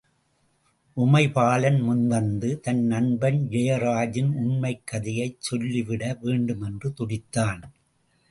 உமைபாலன் முன்வந்து, தன் நண்பன் ஜெயராஜின் உண்மைக் கதையைச் சொல்லிவிட வேண்டுமென்று துடித்தான்.